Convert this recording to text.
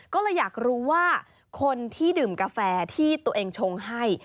ก็เลยอยากรู้ว่าคนที่ดื่มกาแฟที่ตัวเองชงให้